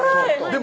で